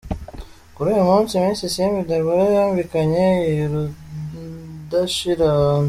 Kuri uyu munsi Miss Isimbi Deborah yambikanye iyurudashira.